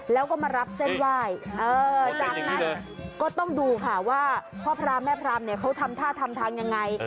แล้วก็มารับเส้นไหว้จากนั้นก็ต้องดูค่ะว่าพ่อพระแม่พรามเนี่ยเขาทำท่าทำทางยังไง